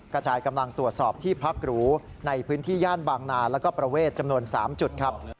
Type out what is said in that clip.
กระจายกำลังตรวจสอบที่พักหรูในพื้นที่ย่านบางนาแล้วก็ประเวทจำนวน๓จุดครับ